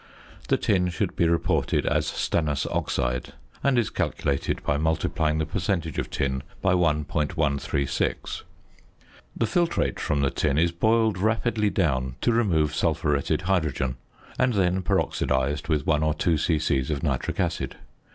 The tin should be reported as stannous oxide; and is calculated by multiplying the percentage of tin by 1.136. The filtrate from the tin is boiled rapidly down to remove sulphuretted hydrogen; and then peroxidised with 1 or 2 c.c. of nitric acid.